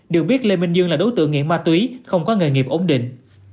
được biết lê minh dương là đối tượng nghiện ma túy không có nghề nghiệp ổn định